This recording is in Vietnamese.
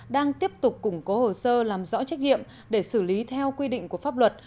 đang tiếp tục củng cố hồ sơ làm rõ trách nhiệm để xử lý theo quy định của pháp luật